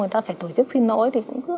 người ta phải tổ chức xin lỗi